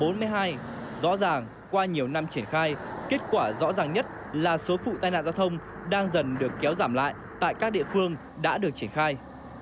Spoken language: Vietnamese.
rõ ràng qua nhiều năm triển khai kết quả rõ ràng nhất là số vụ tai nạn giao thông đang dần được kéo giảm lại tại các địa phương đã được triển khai